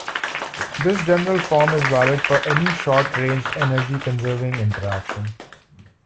This general form is valid for any short-ranged, energy-conserving interaction.